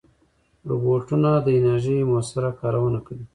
روبوټونه د انرژۍ مؤثره کارونه کوي.